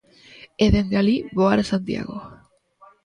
E dende alí voar a Santiago.